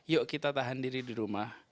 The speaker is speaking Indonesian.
yuk kita tahan diri di rumah